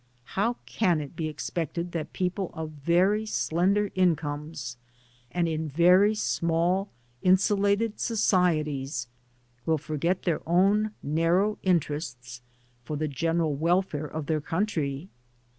How can it be expected that people of very slender incomes, and in very small insulated societies, will forget their own nar« row interests for the general welfare of their coun try